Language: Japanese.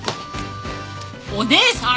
お義姉さん？